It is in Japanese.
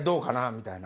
みたいな。